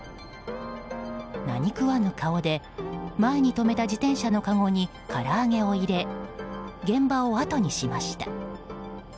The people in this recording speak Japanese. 何食わぬ顔で前に止めた自転車のかごへ唐揚げを入れ現場をあとにしました。